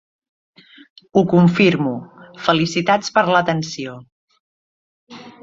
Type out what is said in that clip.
Ho confirmo, felicitats per l'atenció.